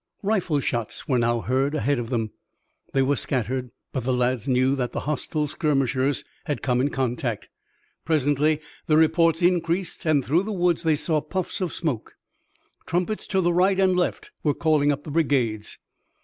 Rifle shots were now heard ahead of them. They were scattered, but the lads knew that the hostile skirmishers had come in contact. Presently the reports increased and through the woods they saw puffs of smoke. Trumpets to right and left were calling up the brigades.